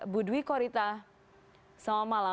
bu dwi korita selamat malam